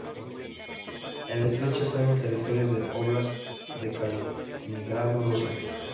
El estrecho está en territorio del óblast de Kaliningrado, Rusia.